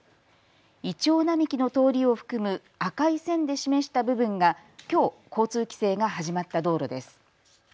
いちょう並木の通りを含む赤い線で示した部分がきょう交通規制が始まった道路です。